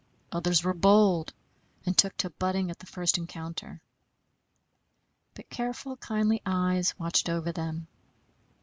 Others were bold, and took to butting at the first encounter. But careful, kindly eyes watched over them.